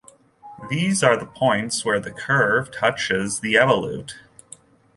These are the points where the curve touches the evolute.